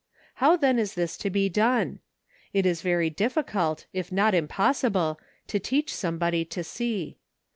How then is this to be done? It is very difficult, if not impossible, to teach anybody to see.